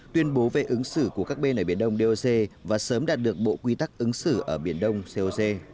tuyên bố về ứng xử của các bên ở biển đông doc và sớm đạt được bộ quy tắc ứng xử ở biển đông coc